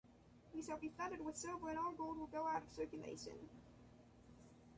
We shall be flooded with silver and all gold will go out of circulation.